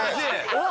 うわ！